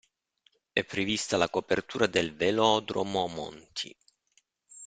È prevista la copertura del velodromo Monti.